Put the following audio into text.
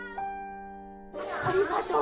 ありがとう！